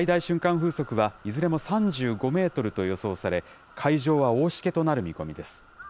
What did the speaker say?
風速はいずれも３５メートルと予想され、海上は大しけとなる見込みです。